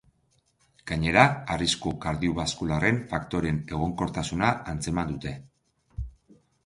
Gainera, arrisku kardiobaskularren faktoreen egonkortasuna antzeman dute.